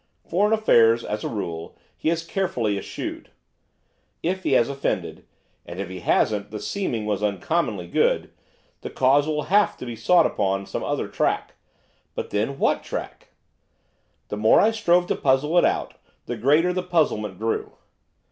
Foreign affairs, as a rule, he has carefully eschewed. If he has offended and if he hasn't the seeming was uncommonly good! the cause will have to be sought upon some other track. But, then, what track?' The more I strove to puzzle it out, the greater the puzzlement grew.